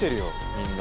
みんな。